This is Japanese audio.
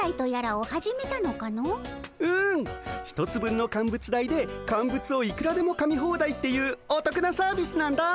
うん１つ分の乾物代で乾物をいくらでもかみホーダイっていうおとくなサービスなんだ。